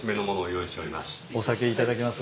お酒頂けます？